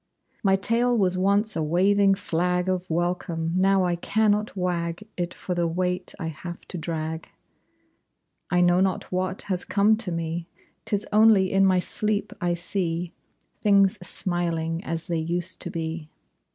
My tail was once a waving flag Of welcome. Now I cannot wag It for the weight I have to drag. I know not what has come to me. 'Tis only in my sleep I see Things smiling as they used to be.